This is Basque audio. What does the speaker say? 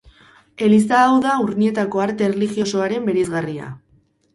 Eliza hau da Urnietako arte erlijiosoaren bereizgarria.